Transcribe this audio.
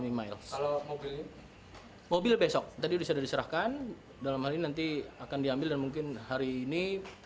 mimas mobil besok tadi sudah diserahkan dalam hari nanti akan diambil dan mungkin hari ini